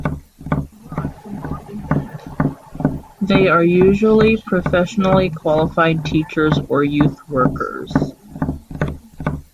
They are usually professionally qualified teachers or youth workers.